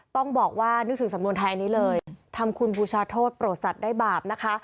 ต้องบอกว่านึกถึงสำนวนไทยอันนี้เลยทำคุณบูชาโทษโปรดสัตว์ได้บาปนะคะ